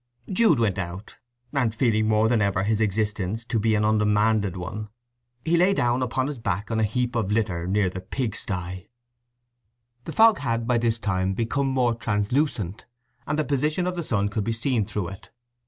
Jude went out, and, feeling more than ever his existence to be an undemanded one, he lay down upon his back on a heap of litter near the pig sty. The fog had by this time become more translucent, and the position of the sun could be seen through it.